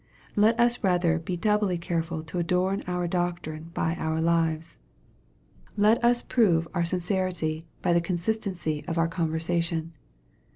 Let us rather be doubly careful to adorn our doctrine by our lives. Let us prove our sincerity by the consistency MARK, CHAP. XII, 269 of our conversation.